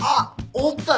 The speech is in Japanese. おったな。